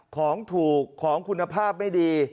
ของถูกของคุณภาพไม่ดี